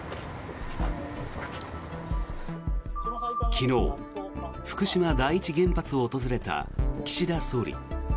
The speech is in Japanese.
昨日、福島第一原発を訪れた岸田総理。